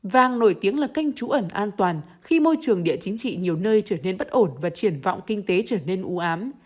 vàng nổi tiếng là kênh trú ẩn an toàn khi môi trường địa chính trị nhiều nơi trở nên bất ổn và triển vọng kinh tế trở nên ưu ám